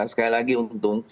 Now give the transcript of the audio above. sekali lagi untung